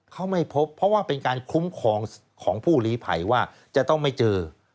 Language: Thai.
เขาไม่พบเพราะว่าเป็นการคุ้มครองของผู้หลีภัยว่าจะต้องไม่เจอ